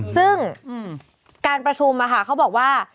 ซึ่งการประชุมเขาบอกว่า